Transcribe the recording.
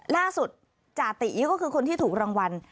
ล่าสุดจาติก็คือคนที่ถูกรางวัล